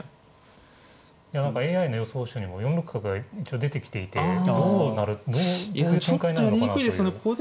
ＡＩの予想手にも４六角が出てきていてどういう展開になるのかなという。